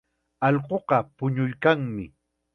Allquqa puñuykanmi.